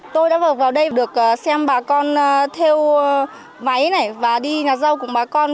tôi đã vào đây được xem bà con theo váy này và đi nhà râu cùng bà con